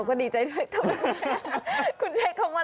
โอ้โห